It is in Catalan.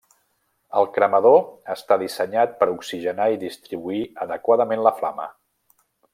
El cremador està dissenyat per oxigenar i distribuir adequadament la flama.